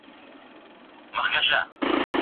زه کولای سم د کتابتون د کار مرسته وکړم.